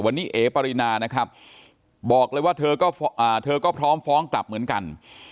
วันนี้เอ๋ปรินานะครับบอกเลยว่าเธอก็เธอก็พร้อมฟ้องกลับเหมือนกัน